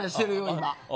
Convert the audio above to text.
今。